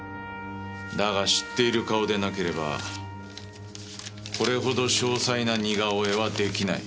だが知っている顔でなければこれほど詳細な似顔絵は出来ない。